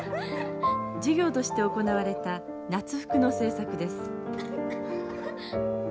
授業として行われた夏服の制作です。